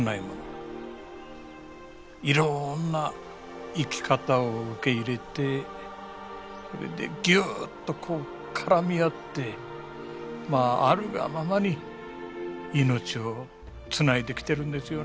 いろんな生き方を受け入れてぎゅっとこう絡み合ってまああるがままに命をつないできてるんですよね